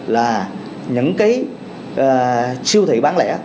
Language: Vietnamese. là những cái siêu thị bán lẻ